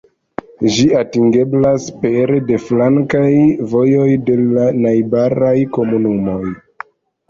Ĝi atingeblas pere de flankaj vojoj de la najbaraj komunumoj.